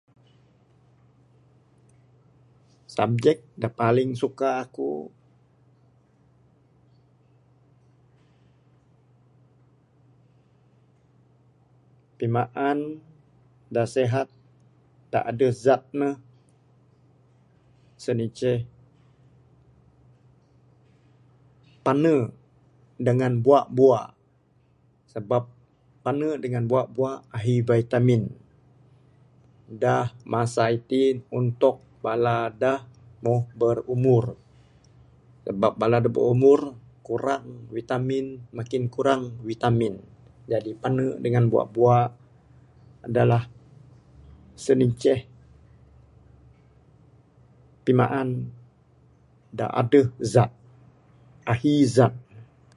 Sabjek da paling suka aku...pimaan da sehat da adeh zat ne sien inceh...pane dangan bua-bua sabab pane dangan bua-bua ahi vitamin da masa itin untuk bala da mbuh berumur sabab bala da berumur kurang vitamin...makin kurang vitamin jadi pane dangan bua-bua adalah...sien inceh pimaan da adeh zat. Ahi zat.